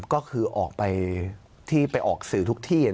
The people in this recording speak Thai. ก็คือออกไปที่ไปออกสื่อทุกที่